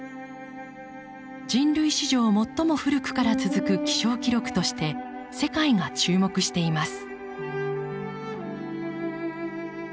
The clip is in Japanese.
人類史上最も古くから続く気象記録として世界が注目しています。